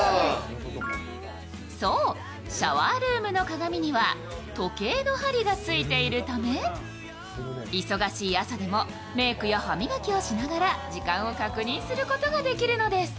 シャワールームの鏡には時計の針がついているため、忙しい朝でもメークや歯磨きをしながら時間を確認することができるのです。